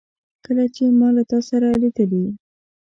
کله چي ما له تا سره لیدلې